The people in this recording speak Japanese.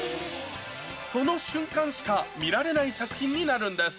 その瞬間しか見られない作品になるんです。